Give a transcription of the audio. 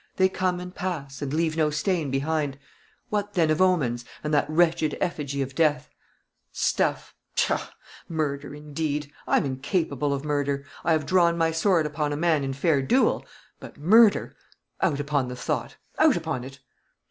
They come and pass, and leave no stain behind. What, then, of omens, and that wretched effigy of death? Stuff pshaw! Murder, indeed! I'm incapable of murder. I have drawn my sword upon a man in fair duel; but murder! Out upon the thought, out upon it."